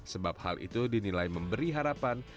sebab hal itu dinilai memberi harapan